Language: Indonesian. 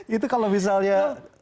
itu kalau misalnya